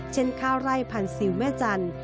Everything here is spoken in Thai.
เช่นข้าวไร่พันธุ์สิวแม่จันทร์